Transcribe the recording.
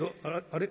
あれ？